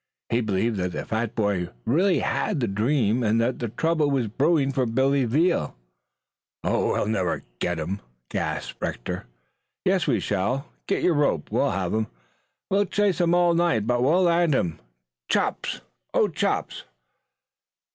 He believed that the fat boy had really had the dream, and that trouble was brewing for Billy Veal. "We'll never get him," gasped Rector. "Yes, we shall. Get your rope. We'll have him. We'll chase him all night but we'll land him. Chops! Oh, Chops!"